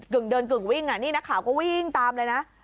เดินกึ่งวิ่งนี่นักข่าวก็วิ่งตามเลยนะ